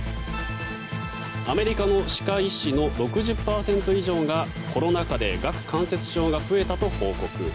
アメリカの歯科医師の６０％以上がコロナ禍で顎関節症が増えたと報告。